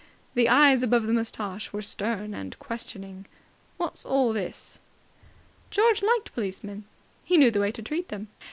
The eyes above the moustache were stern and questioning. "What's all this?" George liked policemen. He knew the way to treat them.